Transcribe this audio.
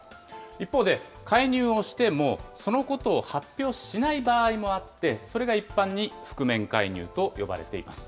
一方で、介入をしても、そのことを発表しない場合もあって、それが一般に覆面介入と呼ばれています。